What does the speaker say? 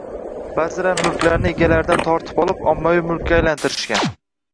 Baʼzilar mulklarni egalaridan tortib olib, ommaviy mulkka aylantirishgan